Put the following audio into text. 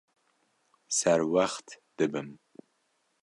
Serwext dibim.